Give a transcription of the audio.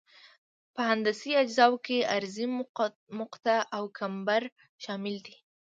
په هندسي اجزاوو کې عرضي مقطع او کمبر شامل دي